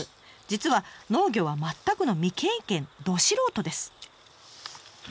実は農業は全くの未経験ど素人です。